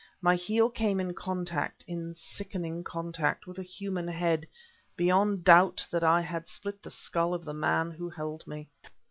My heel came in contact, in sickening contact, with a human head; beyond doubt that I had split the skull of the man who held me.